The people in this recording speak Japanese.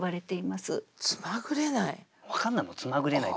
つまぐれなゐ。